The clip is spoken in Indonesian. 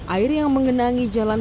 air yang mengenangi jalan